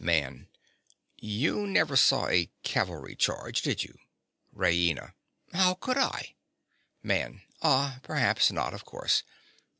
MAN. You never saw a cavalry charge, did you? RAINA. How could I? MAN. Ah, perhaps not—of course.